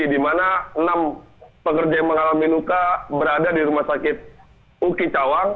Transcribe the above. di mana enam pekerja yang mengalami luka berada di rumah sakit uki cawang